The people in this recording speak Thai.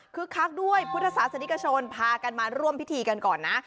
คักด้วยพุทธศาสนิกชนพากันมาร่วมพิธีกันก่อนนะ